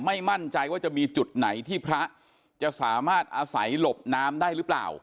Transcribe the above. ไม่มั่นใจว่าจะมีจุดไหนที่พระจะสามารถอาศัยหลบน้ำได้หรือเปล่า